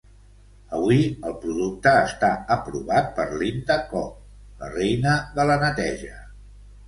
Avui, el producte està aprovat per Linda Cobb, la Reina de la neteja.